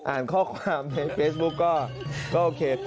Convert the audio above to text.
อ่านข้อความในเฟซบุ๊กก็โอเค